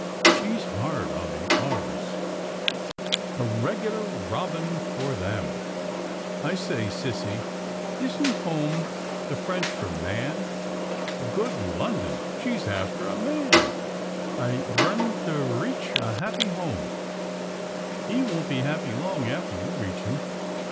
— She's hard on the R's. A rregular rrobin forr 166 'TILDA JANE'S ORPHANS them I say, sissy, isn't Homme the French for man? Good London! she's after a man! I rrun to rreach a happpy Homme. — He won't be happy long after you reach him.